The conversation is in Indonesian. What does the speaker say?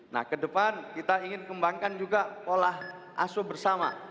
nah ke depan kita ingin kembangkan juga pola asuh bersama